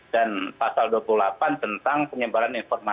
dan pasal dua puluh delapan tentang penyebaran infotainment